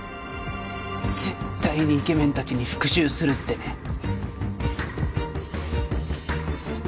絶対にイケメンたちに復讐するってね。